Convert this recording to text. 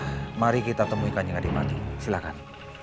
ah mari kita temui kanjeng adik madu silahkan